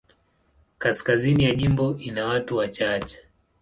Kaskazini ya jimbo ina watu wachache.